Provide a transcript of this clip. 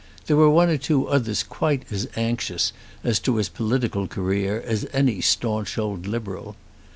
There were one or two others quite as anxious as to his political career as any staunch old Liberal.